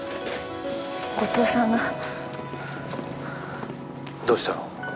後藤さんが☎どうしたの？